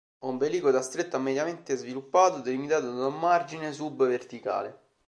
Ombelico da stretto a mediamente sviluppato, delimitato da un margine sub-verticale.